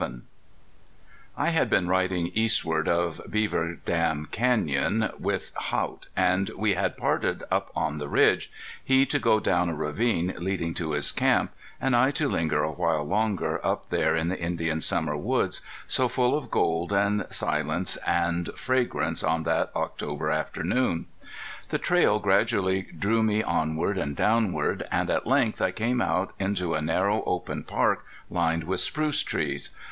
VI I had been riding eastward of Beaver Dam Canyon with Haught, and we had parted up on the ridge, he to go down a ravine leading to his camp, and I to linger a while longer up there in the Indian summer woods, so full of gold and silence and fragrance on that October afternoon. The trail gradually drew me onward and downward, and at length I came out into a narrow open park lined by spruce trees.